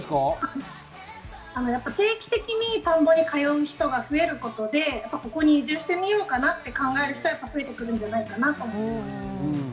定期的に田んぼに通う人が増えることでここに移住してみようかなと考える人は増えてくるんじゃないかなと思います。